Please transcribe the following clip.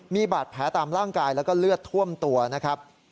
มีบาดแผลตามร่างกายแล้วก็เลือดท่วมตัวนะครับ